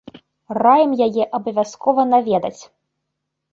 Раім яе абавязкова наведаць!